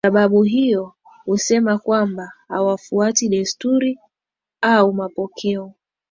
sababu hiyo husema kwamba hawafuati desturi au mapokeo